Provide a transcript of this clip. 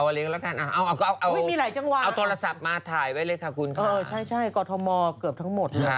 ไม่ต้องนะธรรมชีพเอาตัวละซับมาถ่ายไว้เลยค่ะคุณคะเออใช่กอทมเกือบทั้งหมดค่ะ